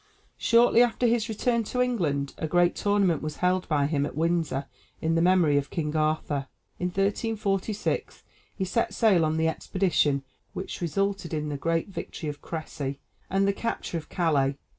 Shortly after his return to England a great tournament was held by him at Windsor in memory of King Arthur. In 1346 he set sail on the expedition which resulted in the great victory of Crécy and the capture of Calais.